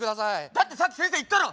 だってさっき先生言ったろ！